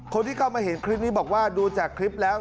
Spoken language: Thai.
คนที่เข้ามาเห็นคลิปนี้บอกว่าดูจากคลิปแล้ว